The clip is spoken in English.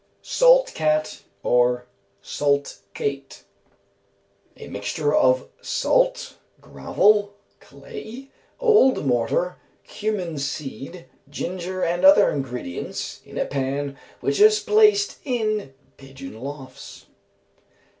Salt cat, or salt cate. A mixture of salt, gravel, clay, old mortar, cumin seed, ginger, and other ingredients, in a pan, which is placed in pigeon lofts.